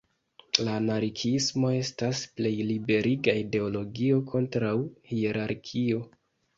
La anarkiismo estas plej liberiga ideologio kontraŭ hierarkio.